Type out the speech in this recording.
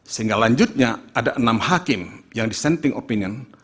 sehingga lanjutnya ada enam hakim yang dissenting opinion